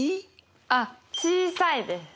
あっ小さいです。